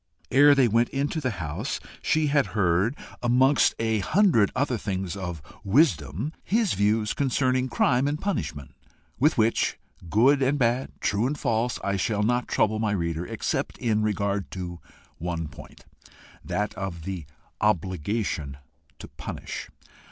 Ere they went into the house she had heard, amongst a hundred other things of wisdom, his views concerning crime and punishment with which, good and bad, true and false, I shall not trouble my reader, except in regard to one point that of the obligation to punish.